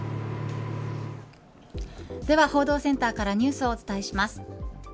では報道センターからニュースをお伝えします。